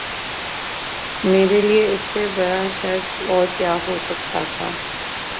میرے لیے اس سے بڑا شرف اور کیا ہو سکتا تھا